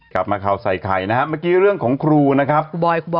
กลับมาคราวใส่ไข่เรื่องของครูนะครับครูบอย